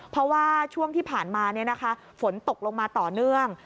เพราะว่าช่วงที่ผ่านมาฝนตกลงมาต่อเนื่อง